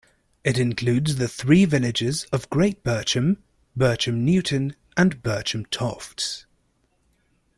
It includes the three villages of Great Bircham, Bircham Newton and Bircham Tofts.